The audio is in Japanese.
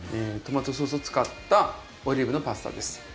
トマトソースを使ったオリーブのパスタです。